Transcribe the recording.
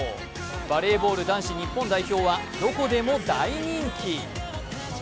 バレーボール男子日本代表はどこでも大人気。